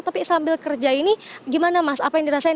tapi sambil kerja ini gimana mas apa yang dirasain